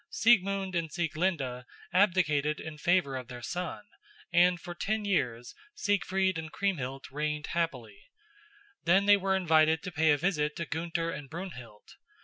Siegmund and Sieglinde abdicated in favor of their son, and for ten years Siegfried and Kriemhild reigned happily. Then they were invited to pay a visit to Gunther and Brunhild.